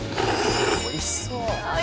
「おいしそう！」